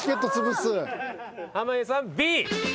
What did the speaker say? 濱家さんＢ。